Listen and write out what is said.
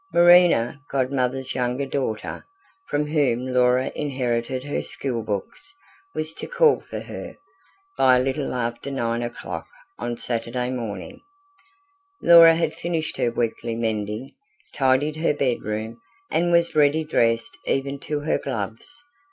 Marina, Godmother's younger daughter, from whom Laura inherited her school books, was to call for her. By a little after nine o'clock on Saturday morning, Laura had finished her weekly mending, tidied her bedroom, and was ready dressed even to her gloves.